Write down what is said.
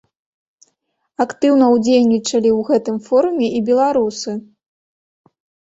Актыўна ўдзельнічалі ў гэтым форуме і беларусы.